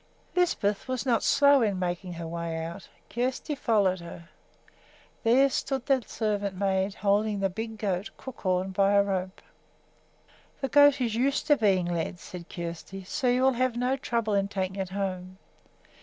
Lisbeth was not slow in making her way out. Kjersti followed her. There stood the servant maid, holding the big goat, Crookhorn, by a rope. "The goat is used to being led," said Kjersti, "so you will have no trouble in taking it home.